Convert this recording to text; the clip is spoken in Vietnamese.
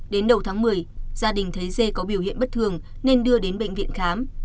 đến đầu tháng một mươi gia đình thấy dê có biểu hiện bất thường nên đưa đến bệnh viện khám